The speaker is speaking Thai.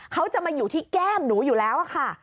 เขาจะมาอยู่ที่แก้มหนูอยู่แล้วค่ะ